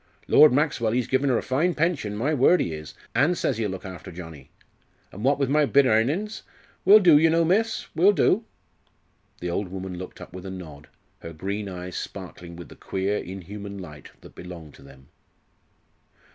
Lord Maxwell ee's givin' her a fine pension, my word ee is! an' says ee'll look after Johnnie. And what with my bit airnins we'll do, yer know, miss we'll do!" The old woman looked up with a nod, her green eyes sparkling with the queer inhuman light that belonged to them.